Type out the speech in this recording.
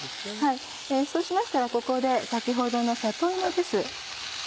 そうしましたらここで先ほどの里芋です。